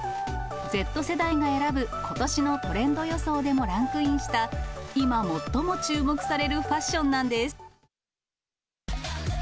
Ｚ世代が選ぶことしのトレンド予想でもランクインした、今、最も注目されるファッションなんです。